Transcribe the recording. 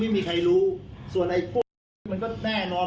ไม่มีใครรู้ส่วนไอ้มันก็แน่นอน